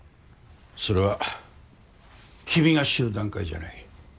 それは君が知る段階じゃない。